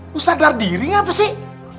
lo sadar diri gak apa sih